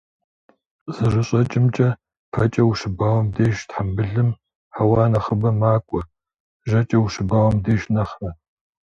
КъызэрыщӀэкӀымкӀэ, пэкӀэ ущыбауэм деж тхьэмбылым хьэуа нэхъыбэ макӀуэ, жьэкӀэ ущыбауэм деж нэхърэ.